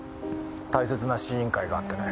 大切な試飲会があってね。